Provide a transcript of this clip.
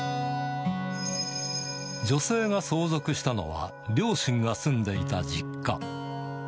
女性が相続したのは、両親が住んでいた実家。